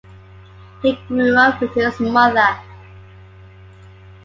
He grew up with his mother.